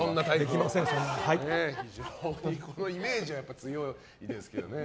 非常にイメージは強いですけどね。